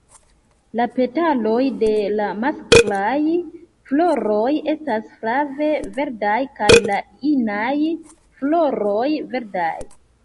La petaloj de la masklaj floroj estas flave verdaj kaj la inaj floroj verdaj.